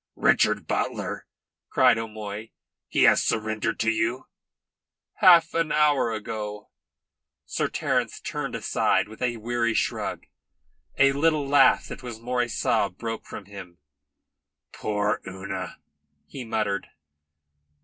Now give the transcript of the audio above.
"Richard Butler!" cried O'Moy. "He has surrendered to you?" "Half an hour ago." Sir Terence turned aside with a weary shrug. A little laugh that was more a sob broke from him. "Poor Una!" he muttered.